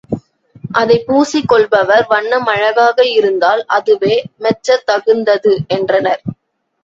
அதைப் பூசிக் கொள்பவர் வண்ணம் அழகாக இருந்தால் அதுவே மெச்சத்தகுந்தது என்றனர்.